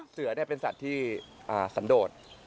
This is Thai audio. เสือเป็นสัตว์ที่สันโดด